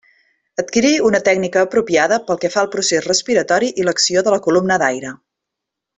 Adquirir una tècnica apropiada pel que fa al procés respiratori i l'acció de la columna d'aire.